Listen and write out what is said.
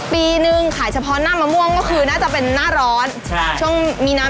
ปีนึงขายครั้งนึงอะ